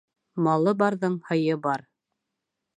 Малы барҙың һыйы бар